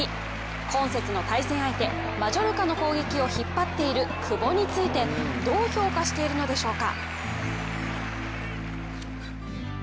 今節の対戦相手、マジョルカの攻撃を引っ張っている久保についてどう評価しているのでしょうか。